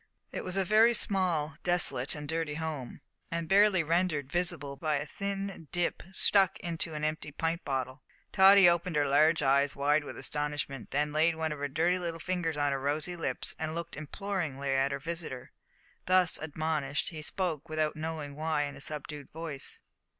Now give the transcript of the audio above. It was a very small, desolate, and dirty home, and barely rendered visible by a thin "dip" stuck into an empty pint bottle. Tottie opened her large eyes wide with astonishment, then laid one of her dirty little fingers on her rosy lips and looked imploringly at her visitor. Thus admonished, he spoke, without knowing why in a subdued voice.